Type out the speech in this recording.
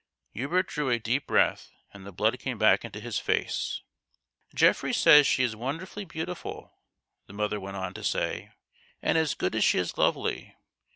Hubert drew a deep breath, and the blood came back into his face. THE GHOST OF THE PAST. 163 " Geoffrey says she is wonderfully beautiful," the mother went on to say ;" and as good as she is lovely.